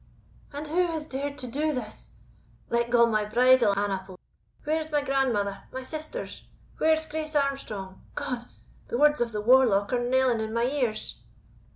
"And who has dared to do this? let go my bridle, Annaple where is my grandmother my sisters? Where is Grace Armstrong? God! the words of the warlock are knelling in my ears!"